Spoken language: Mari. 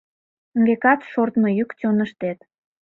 Векат, шортмо йӱк чоныштет